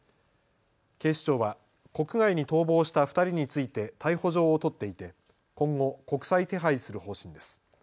警視庁は国外に逃亡した２人について逮捕状を取っていて今後、国際手配する方針です。